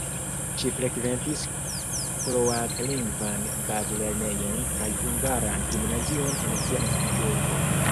Ŝi frekventis kroatlingvan bazlernejon kaj hungaran gimnazion en sia naskiĝurbo.